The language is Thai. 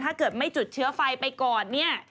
ถ้าเกิดไม่จุดเชื้อไฟไปก่อนเนี่ย